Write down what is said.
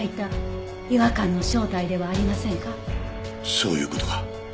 そういう事か。